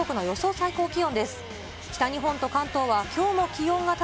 最高気温です。